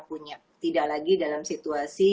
punya tidak lagi dalam situasi